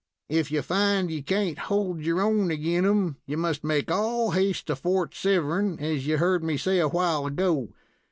If you find you can't hold your own agin 'em, you must make all haste to Fort Severn, as you heard me say a while ago.